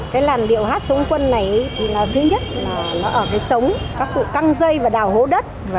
cái làn điệu hát chống quân này thì là thứ nhất là nó ở cái chống các cụ căng dây và đào hố đất